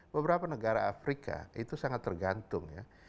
beberapa negara afrika itu sangat tergantung ya